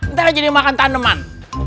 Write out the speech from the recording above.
ntar aja dimakan taneman